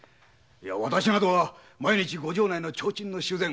私など毎日ご城内の提灯の修理。